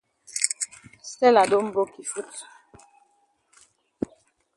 Stella don broke yi foot.